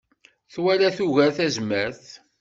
Ttwala tugar tazmert.